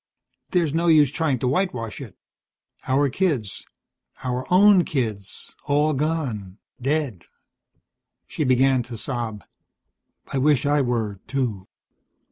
There's no use trying to whitewash it. Our kids, our own kids, all gone. Dead." She began to sob. "I wish I were, too."